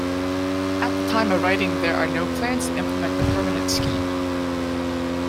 At the time of writing there are no plans to implement the permanent scheme.